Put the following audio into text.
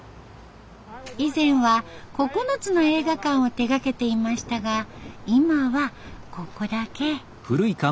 以前は９つの映画館を手がけていましたが今はここだけ。